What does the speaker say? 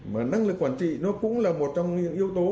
mà năng lực quản trị nó cũng là một trong những yếu tố